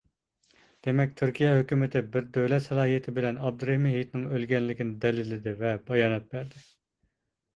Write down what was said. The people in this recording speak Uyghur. دېمەك تۈركىيە ھۆكۈمىتى بىر دۆلەت سالاھىيىتى بىلەن ئابدۇرەھىم ھېيتنىڭ ئۆلگەنلىكىنى دەلىللىدى ۋە بايانات بەردى.